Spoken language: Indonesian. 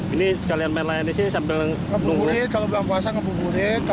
ini sekalian main layang disini sambil nunggu